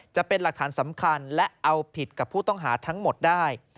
จะเป็นหลักฐานสำคัญและเอาผิดกับผู้ต้องหาทั้งหมดได้